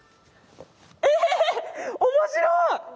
え面白い！